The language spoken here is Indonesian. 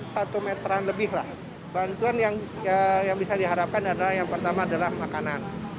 satu meteran lebihlah bantuan yang yang bisa diharapkan adalah yang pertama adalah makanan